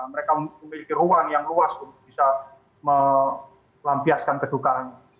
mereka memiliki ruang yang luas untuk bisa melampiaskan kedukaan